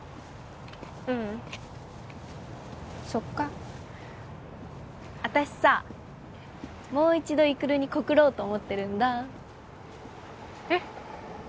ううんそっか私さもう一度育に告ろうと思ってるんだえっ？